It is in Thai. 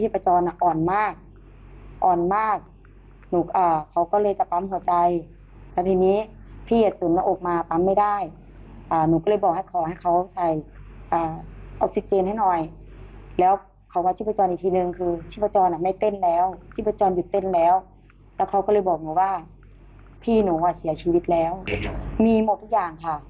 เป็นสิ่งที่หนูเสียชีวิตแล้วมีหมดทุกอย่างครับ